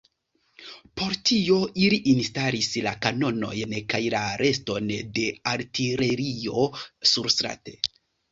Por tio ili instalis la kanonojn kaj la reston de artilerio surstrate.